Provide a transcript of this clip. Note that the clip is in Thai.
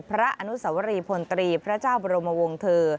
พระอนุสวรีพลตรีพระเจ้าบรมวงธ์เธอ